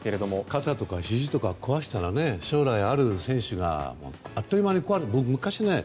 肩とかひじとか壊したら将来ある選手があっという間に壊れてします。